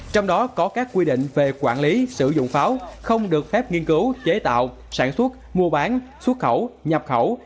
trong đó có các quy định về quản lý sử dụng pháo không được phép nghiên cứu chế tạo sản xuất mua bán xuất khẩu nhập khẩu